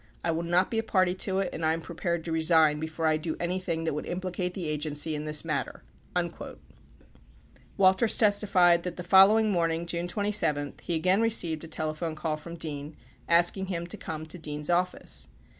I will not be a party to it and I am prepared to resign before I do anything that would implicate the Agency in this matter. 37 Walters testified that the following morning, June 27, he again re ceived a telephone call from Dean asking him to come to Dean's office.